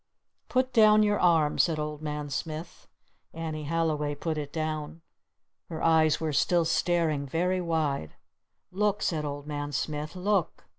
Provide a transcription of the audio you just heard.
"Put down your arm!" said Old Man Smith. Annie Halliway put it down. Her eyes were still staring very wide. "Look!" said Old Man Smith. "Look!"